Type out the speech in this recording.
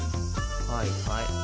はいはい。